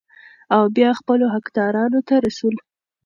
او بيا خپلو حقدارانو ته رسول ،